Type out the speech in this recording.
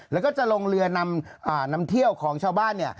แล้วก็จะลงเรือนำเที่ยวของชาวบ้านเนี่ย